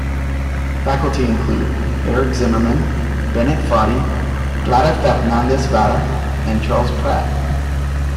Faculty include Eric Zimmerman, Bennett Foddy, Clara Fernandez-Vara, and Charles Pratt.